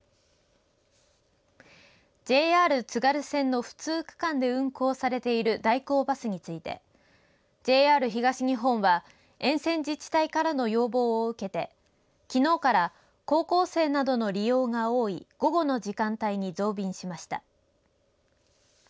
ＪＲ津軽線の不通区間で運行されている代行バスについてＪＲ東日本は沿線自治体からの要望を受けてきのうから高校生などの利用が多い午後の時間帯に増便しました。